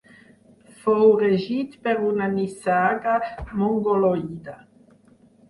Fou regit per una nissaga mongoloide.